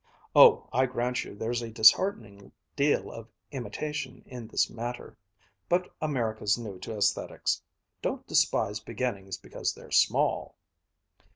"Oh, I grant you, there's a disheartening deal of imitation in this matter. But America's new to aesthetics. Don't despise beginnings because they're small!"